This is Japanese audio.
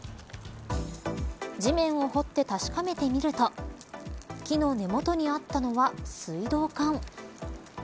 地面を掘って確かめてみると木の根元あったのは水道管。